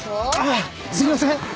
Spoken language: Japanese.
ああすいません。